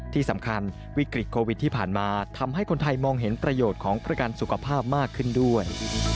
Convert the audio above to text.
ที่สำคัญวิกฤตโควิดที่ผ่านมาทำให้คนไทยมองเห็นประโยชน์ของประกันสุขภาพมากขึ้นด้วย